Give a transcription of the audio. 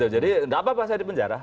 jadi tidak apa apa saya di penjara